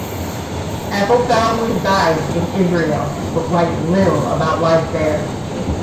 Appelfeld resides in Israel but writes little about life there.